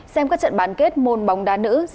xem các trận bán kết môn bóng đá châu á afc